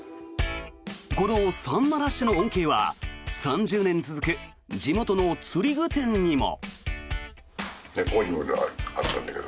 このサンマラッシュの恩恵は３０年続く地元の釣具店でも。